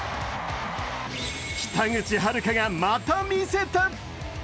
北口榛花がまた見せた！